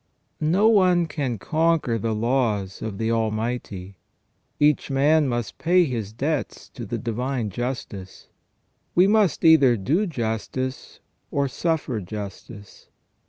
* No one can conquer the laws of the Almighty. Each man must pay his debts to the Divine Justice. We must either do justice or suffer justice.